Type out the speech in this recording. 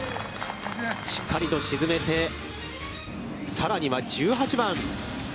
しっかりと沈めて、さらには１８番。